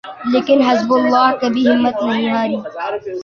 لیکن Hezbollah کبھی ہمت نہیں ہاری۔